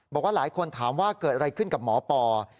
บอกว่าหลายคนถามว่าเกิดอะไรขึ้นกับหมอปอ